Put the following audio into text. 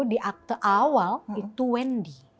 di akte awal itu wendy